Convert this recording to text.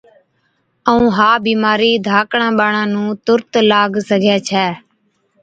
ائُون ها بِيمارِي ڌاڪڙان ٻاڙان نُون تُرت لاگ سِگھَي ڇَي۔